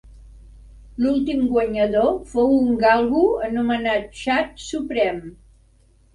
L'últim guanyador fou un galgo anomenat Chad Supreme.